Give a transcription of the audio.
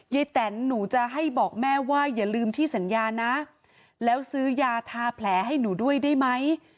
แตนหนูจะให้บอกแม่ว่าอย่าลืมที่สัญญานะแล้วซื้อยาทาแผลให้หนูด้วยได้ไหม